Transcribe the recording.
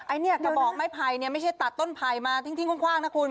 อันนี้กระบอกไม้ไผ่เนี่ยไม่ใช่ตัดต้นไผ่มาทิ้งคว่างนะคุณ